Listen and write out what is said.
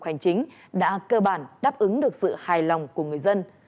hành chính đã cơ bản đáp ứng được sự hài lòng của người dân